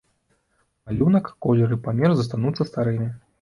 Малюнак, колер і памер застануцца старымі.